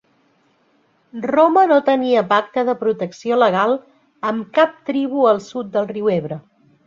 Roma no tenia pacte de protecció legal amb cap tribu al sud del riu Ebre.